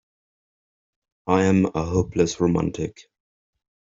I'm a hopeless romantic.